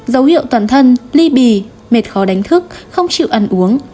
dấu hiệu toàn thân ly bì mệt khó đánh thức không chịu ăn uống